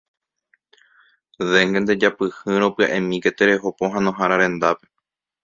Dengue ndejapyhýrõ pya'emíke tereho pohãnohára rendápe.